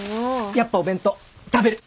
やっぱお弁当食べる。